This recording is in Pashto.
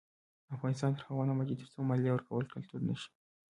افغانستان تر هغو نه ابادیږي، ترڅو مالیه ورکول کلتور نشي.